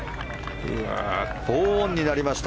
４オンになりました。